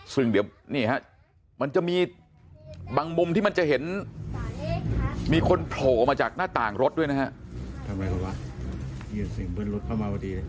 ซึ่งเดี๋ยวมันจะมีบางมุมที่มันจะเห็นมีคนโผล่อมาจากหน้าต่างรถด้วยนะฮะ